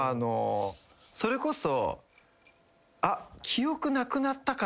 それこそ。